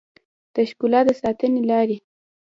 د ښکلا د ساتنې لارې